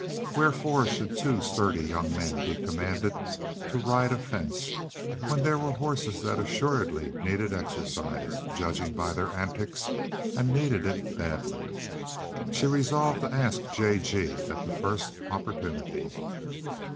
Wherefore should two sturdy young men be commanded to ride a fence, when there were horses that assuredly needed exercise judging by their antics and needed it badly? She resolved to ask J. G. at the first opportunity.